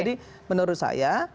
jadi menurut saya